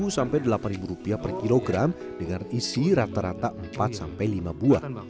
tujuh sampai delapan rupiah per kilogram dengan isi rata rata empat sampai lima buah